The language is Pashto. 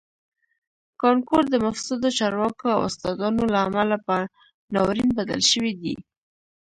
کانکور د مفسدو چارواکو او استادانو له امله په ناورین بدل شوی دی